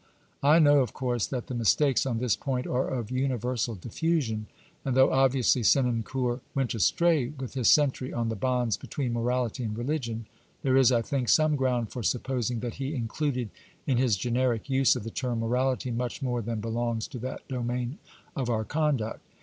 I know of course that the mistakes on this point are of universal diffusion, and though obviously Senancour went astray with his century on the bonds between morality and religion, there is, I think, some ground for supposing that he included in his generic use of the term morality much more than belongs to that domain of our conduct.